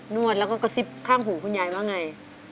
วดแล้วก็กระซิบข้างหูคุณยายว่าไง